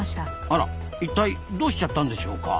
あらいったいどうしちゃったんでしょうか？